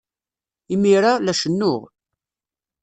Imir-a, la cennuɣ.